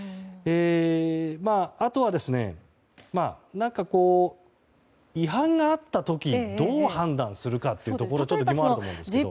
あとは違反があった時どう判断するかというところ疑問があると思うんですけれども。